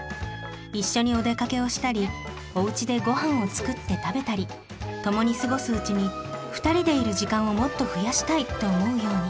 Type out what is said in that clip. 一緒にお出かけをしたりおうちでごはんを作って食べたり共に過ごすうちに二人でいる時間をもっと増やしたいと思うように。